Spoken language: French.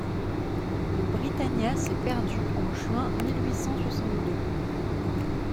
Le Britannia s’est perdu en juin mille huit cent soixante-deux…